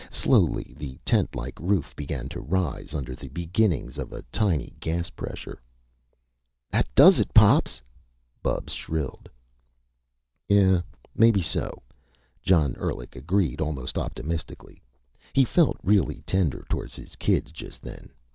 Slowly the tentlike roof began to rise, under the beginnings of a tiny gas pressure. "That does it, Pops!" Bubs shrilled. "Yeah maybe so," John Endlich agreed almost optimistically. He felt really tender toward his kids, just then.